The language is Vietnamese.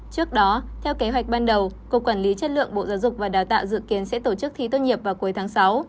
trước đó theo kế hoạch ban đầu cục quản lý chất lượng bộ giáo dục và đào tạo dự kiến sẽ tổ chức thi tốt nghiệp vào cuối tháng sáu